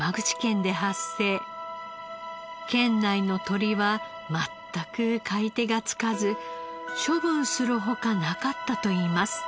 県内の鶏は全く買い手がつかず処分する他なかったといいます。